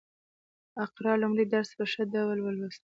اقرا لومړی درس په ښه ډول ولوست